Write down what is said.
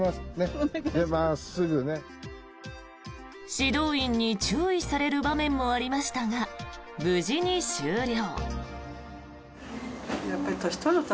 指導員に注意される場面もありましたが無事に終了。